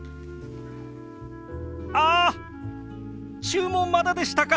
あ注文まだでしたか！